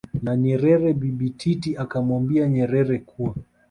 na Nyerere Bibi Titi akamwambia Nyerere kuwa